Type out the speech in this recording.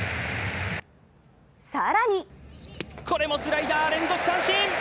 更にこれもスライダー、連続三振。